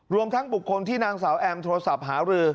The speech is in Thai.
รวมทั้งบุคคลที่นางสาวแอมโทรศัพท์หารือ